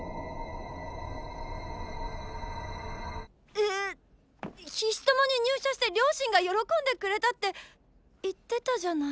ええ。菱友に入社して両親が喜んでくれたって言ってたじゃない。